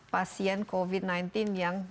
pasien covid sembilan belas yang